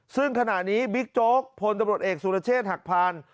ซึ่งขณะนี้บิ๊กโจ๊กพลตำรวจเอกสุรเชษฐ์หักพาน